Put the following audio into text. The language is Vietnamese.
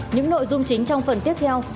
những nội dung chính trong phần tiếp theo